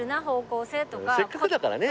せっかくだからね。